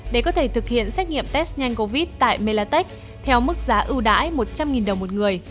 để có thể thực hiện xét nghiệm test nhanh covid tại melatech theo mức giá ưu đãi một trăm linh đồng một người